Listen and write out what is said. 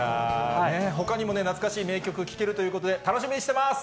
ほかにも懐かしい名曲、聴けるということで、楽しみにしてます。